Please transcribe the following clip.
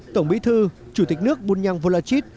chín tổng bí thư chủ tịch nước bunyang volachit